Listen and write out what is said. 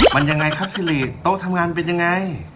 มันยังไงครับสิริโต๊ะทำงานมันเป็นยังไง